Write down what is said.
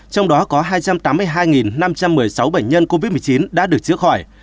trong đó có hai trăm tám mươi hai năm trăm một mươi sáu bệnh nhân covid một mươi chín đã được chữa khỏi